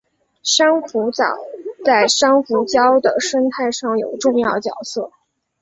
珊瑚藻在珊瑚礁的生态上有重要角色。